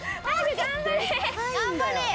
頑張れ！